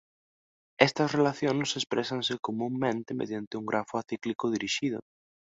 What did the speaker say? Estas relacións exprésanse comunmente mediante un grafo acíclico dirixido.